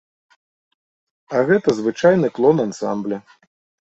А гэта звычайны клон ансамбля.